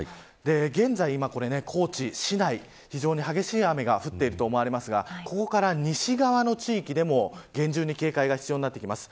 現在、高知市内非常に激しい雨が降っていると思われますがここから西側の地域でも厳重な警戒が必要です。